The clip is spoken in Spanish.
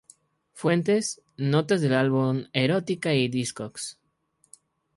Fuentes: notas del álbum "Erotica" y Discogs.